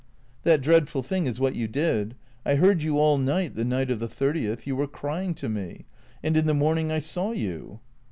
" That dreadful thing is what you did. I heard you all night — the night of the thirtieth ; you were crying to me. And in the morning I saw you."